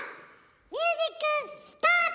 ミュージックスタート！